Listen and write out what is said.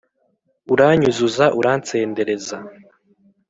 uranyuzuza uransendereza